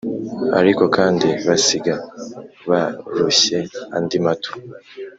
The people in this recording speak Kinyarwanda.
ariko kandi basiga baroshye andi mato